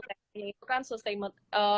tekniknya itu kan sustainable